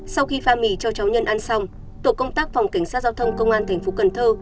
sau khi pha mỉ cho cháu nhân ăn xong tổ công tác phòng cảnh sát giao thông công an thành phố cần thơ